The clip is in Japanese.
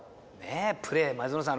プレー前園さん